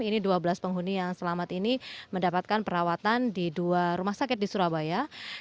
ini dua belas penghuni yang selamat ini mendapatkan perawatan di dua rumah sakit di surabaya